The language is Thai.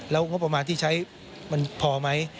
แล้วงบประมาณที่ใช้มันพอไหม